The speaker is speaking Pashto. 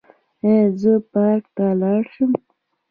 ایا زه پارک ته لاړ شم؟